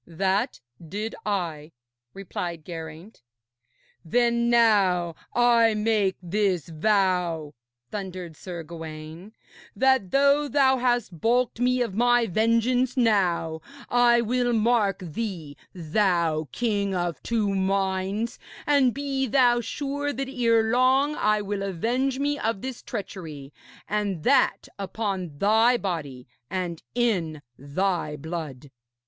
'That did I,' replied Geraint. 'Then now I make this vow,' thundered Sir Gawaine, 'that though thou hast balked me of my vengeance now, I will mark thee, thou king of two minds, and be thou sure that erelong I will avenge me of this treachery, and that upon thy body and in thy blood.'